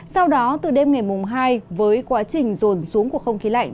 sau đó từ đêm ngày mùng hai với quá trình rồn xuống của không khí lạnh